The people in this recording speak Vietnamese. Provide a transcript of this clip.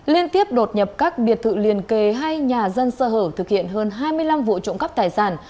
liên tiếp đột nhập các biệt thự liền kề hay nhà dân sơ hở thực hiện hơn hai mươi năm vụ trộm cắp tài sản